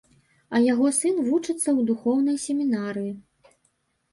А яго сын вучыцца ў духоўнай семінарыі.